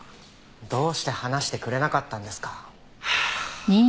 どうして話してくれなかったんですか？